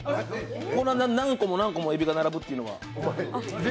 こんな何個も何個もエビが並ぶというのは。